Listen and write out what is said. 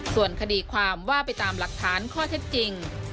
ส่วนคดีความว่าไปตามหลักฐานข้อเท็จจริง